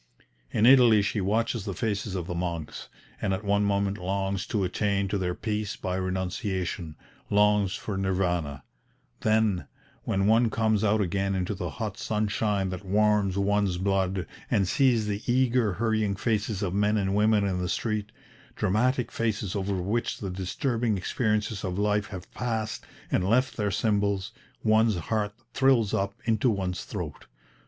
In Italy she watches the faces of the monks, and at one moment longs to attain to their peace by renunciation, longs for Nirvana; "then, when one comes out again into the hot sunshine that warms one's blood, and sees the eager hurrying faces of men and women in the street, dramatic faces over which the disturbing experiences of life have passed and left their symbols, one's heart thrills up into one's throat.